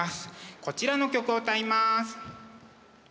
こちらの曲を歌います。